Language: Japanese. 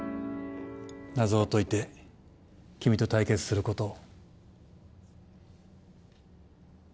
謎を解いて君と対決する事を。